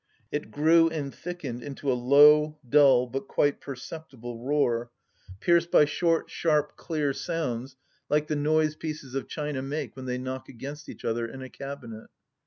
It grew and thickened into a low, dull, but quite perceptible roar, pierced 184 THE LAST DITCH by short sharp clear sounds like the noise pieces of china make when they knock against each other in a cabinet.